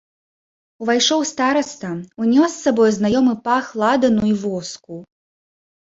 Увайшоў стараста, унёс з сабой знаёмы пах ладану й воску.